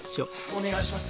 お願いします。